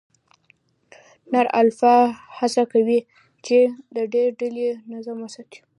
نر الفا هڅه کوي، چې د ډلې نظم وساتي.